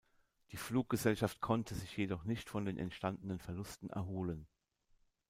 Die Fluggesellschaft konnte sich jedoch nicht von den entstandenen Verlusten erholen.